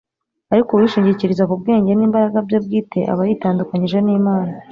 Ariko uwishingikiriza ku bwenge n’imbaraga bye bwite aba yitandukanyije n’Imana.